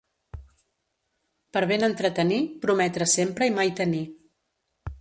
Per ben entretenir, prometre sempre i mai tenir.